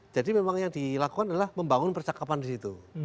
memang yang dilakukan adalah membangun percakapan di situ